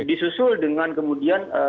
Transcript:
disusul dengan kemudian